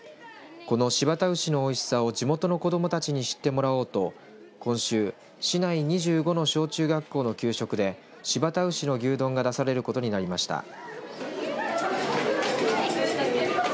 この新発田牛のおいしさを地元の子どもたちに知ってもらおうと今週市内２５の小中学校の給食で新発田牛の牛丼が出されることになりました。